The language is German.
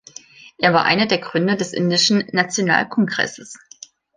Er war einer der Gründer des Indischen Nationalkongresses.